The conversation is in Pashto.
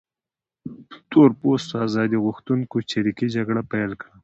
تور پوستو ازادي غوښتونکو چریکي جګړه پیل کړه.